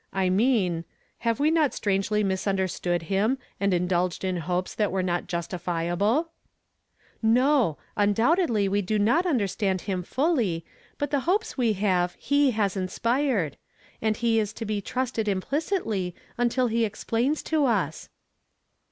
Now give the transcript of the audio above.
» I mean, — Have we not strangely misunderstood him, and indulged in hopes that were not justifi able ?"^" No ; undoubtedly we do not understand him fully, but the hopes we have, he has inspired ; and he IS to.be trusted implicitly until he explains to us.